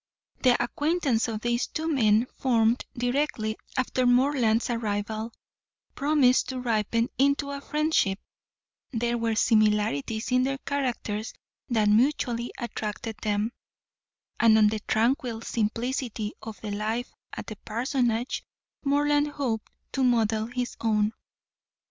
The acquaintance of these two men, formed directly after Morland's arrival, promised to ripen into a friendship; there were similarities in their characters that mutually attracted them, and on the tranquil simplicity of the life at the Parsonage Morland hoped to model his own.